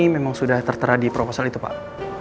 memang sudah tertera di proposal itu pak